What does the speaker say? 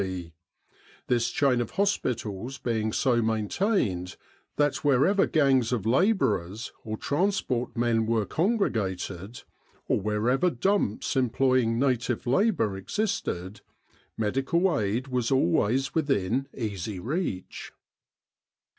in Egypt this chain of hospitals being so maintained that wher ever gangs of labourers or transport men were con gregated, or wherever dumps employing native labour existed, medical aid was always within easy reach.